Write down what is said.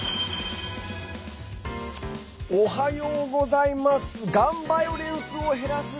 おはようございます。